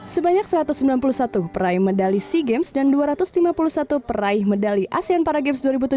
sebenarnya peraih medali sea games dan asean paragames dua ribu tujuh belas